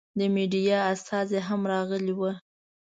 د مېډیا استازي هم راغلي ول.